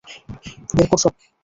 বের কর সব।